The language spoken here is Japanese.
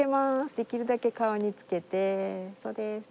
できるだけ顔につけてそうです。